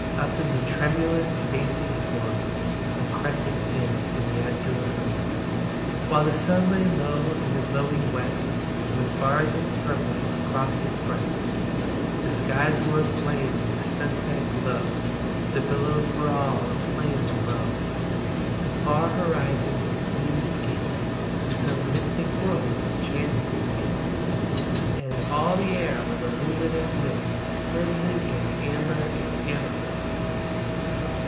Up in the tremulous space it swung, — A crescent dim in the azure hung ; While the sun lay low in the glowing west, With bars of purple across his breast. THE THREE SHIPS The skies were aflame with the sunset glow, The billows were all aflame ,below ; The far horizon seemed the gate To some mystic world's enchanted state ; And all the air was a luminous mist, Crimson and amber and amethyst.